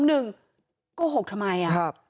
หนึ่งโกหกทำไมอ่ะ